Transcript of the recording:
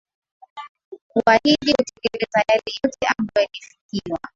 kuahidi kutekeleza yale yote ambayo yalifikiwa